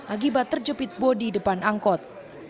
akibat terjepit bodi depan angkot